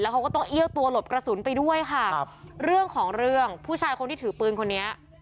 เขาก็ต้องเอี้ยวตัวหลบกระสุนไปด้วยค่ะครับเรื่องของเรื่องผู้ชายคนที่ถือปืนคนนี้